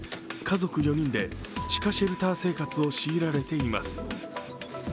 家族４人で地下シェルター生活を強いられています。